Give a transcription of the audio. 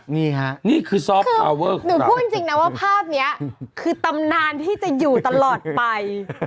นี่ค่ะคือหนูพูดจริงนะว่าภาพนี้คือตำนานที่จะอยู่ตลอดไป